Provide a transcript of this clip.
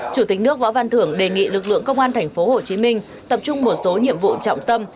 chủ tịch nước võ văn thưởng đề nghị lực lượng công an tp hcm tập trung một số nhiệm vụ trọng tâm